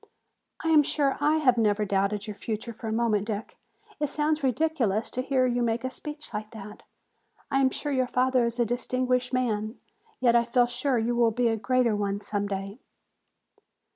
"I am sure I have never doubted your future for a moment, Dick. It sounds ridiculous to hear you make a speech like that. I am sure your father is a distinguished man, yet I feel sure you will be a greater one some day."